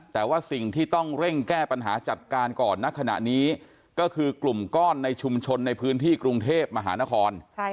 แต่ว่าสิ่งที่ต้องเร่งแก้ปัญหาจัดการก่อนณขณะนี้ก็คือกลุ่มก้อนในชุมชนในพื้นที่กรุงเทพมหานคร